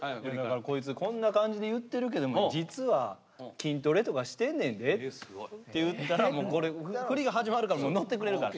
こいつこんな感じで言ってるけども実は筋トレとかしてんねんでって言ったら振りが始まるからもう乗ってくれるから。